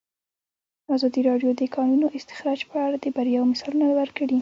ازادي راډیو د د کانونو استخراج په اړه د بریاوو مثالونه ورکړي.